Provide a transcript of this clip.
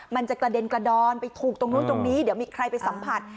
มันจะกระเด็นกระดอนไปถูกตรงนู้นตรงนี้เดี๋ยวมีใครไปสัมผัส